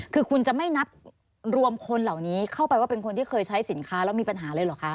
คือคุณจะไม่นับรวมคนเหล่านี้เข้าไปว่าเป็นคนที่เคยใช้สินค้าแล้วมีปัญหาเลยเหรอคะ